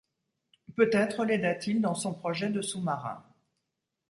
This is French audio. Peut-être l'aida-t-il dans son projet de sous-marin.